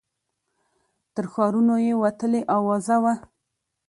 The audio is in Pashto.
تر ښارونو یې وتلې آوازه وه